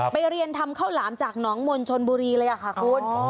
เรียนทำข้าวหลามจากหนองมนต์ชนบุรีเลยค่ะคุณ